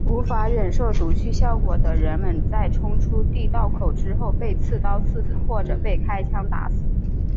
无法忍受毒气效果的人们在冲出地道口之后被刺刀刺死或者被开枪打死。